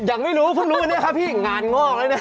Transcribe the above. ยังไม่รู้เพิ่งรู้วันนี้ครับพี่งานงอกแล้วนะ